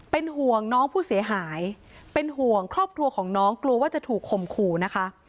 เป็นห่วงน้องผู้เสียหายเป็นห่วงครอบครัวของน้องกลัวว่าจะถูกข่มขู่นะคะ